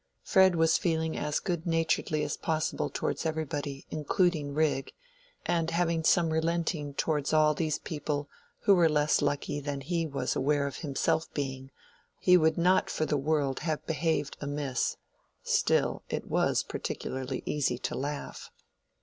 Fred was feeling as good naturedly as possible towards everybody, including Rigg; and having some relenting towards all these people who were less lucky than he was aware of being himself, he would not for the world have behaved amiss; still, it was particularly easy to laugh.